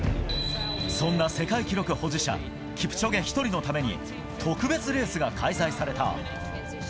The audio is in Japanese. そんな世界記録保持者キプチョゲ１人のために特別レースが開催された。